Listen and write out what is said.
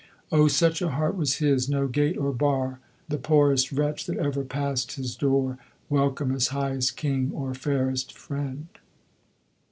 Oh, such a heart was his! no gate or bar; The poorest wretch that ever passed his door Welcome as highest king or fairest friend."